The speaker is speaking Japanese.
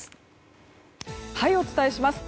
お伝えします。